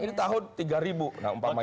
ini tahun tiga ribu